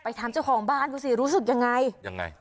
ถามเจ้าของบ้านดูสิรู้สึกยังไงยังไง